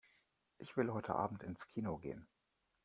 Ich will heute Abend ins Kino gehen.